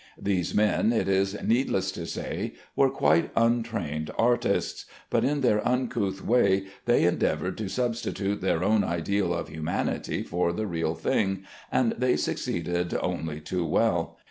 These men, it is needless to say, were quite untrained artists, but in their uncouth way they endeavored to substitute their own ideal of humanity for the real thing, and they succeeded only too well.